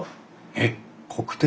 えっ国鉄？